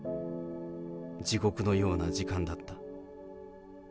地獄のような時間だった。